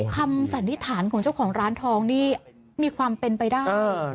สันนิษฐานของเจ้าของร้านทองนี่มีความเป็นไปได้